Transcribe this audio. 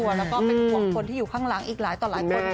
แล้วก็เป็นห่วงคนที่อยู่ข้างหลังอีกหลายต่อหลายคน